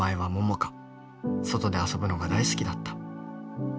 外で遊ぶのが大好きだった。